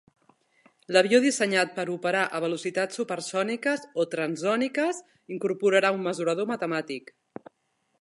L"avió dissenyat per operar a velocitats supersòniques o transòniques incorporarà un mesurador matemàtic.